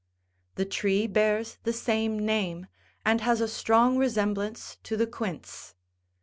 The tree80 bears the same name, and has a strong resemblance to, the quince.